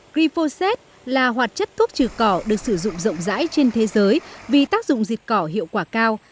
glyphosate là hoạt chất thuốc trừ cỏ được sử dụng rộng rãi trên thế giới vì tác dụng dịch cỏ hiệu quả cao